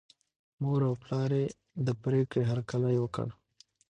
مور او پلار یې د پرېکړې هرکلی وکړ.